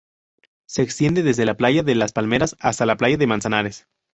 Se extiende desde la playa de Las Palmeras hasta la playa de Manzanares.